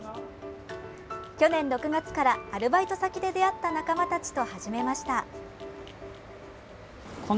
去年６月から、アルバイト先で出会った仲間たちと始めました。